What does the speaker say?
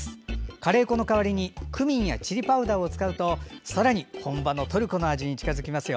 カレー粉の代わりにクミンやチリパウダーを使うとさらに本場のトルコの味に近づきますよ。